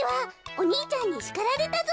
お兄ちゃんにしかられたぞ。